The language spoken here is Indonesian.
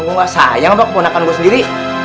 gua ga sayang apa keponakan gua sendiri